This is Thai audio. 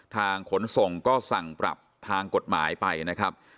ขนส่งก็สั่งปรับทางกฎหมายไปนะครับ